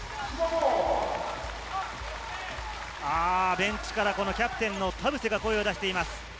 ベンチからキャプテンの田臥が声を出しています。